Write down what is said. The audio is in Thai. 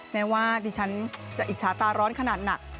แม้ว่าดิฉันจะอิจฉาตาร้อนขนาดหนัก